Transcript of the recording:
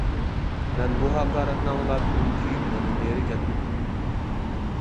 مەن بۇ ھاقارەتنى ئاڭلاپ ئۈمچىيىپ يەنە نېرى كەتتىم.